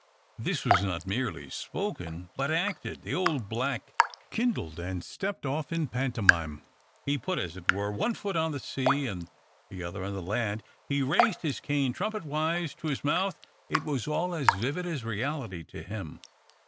'" This was not merely spoken, but acted. The old black kindled, and stepped off in pantomime. He put, as it were, one foot on the sea, and the other on the land; he raised his cane trumpetwise to his mouth. It was all as vivid as reality to him.